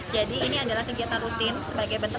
jadi ini adalah kegiatan rutin sebagai benteng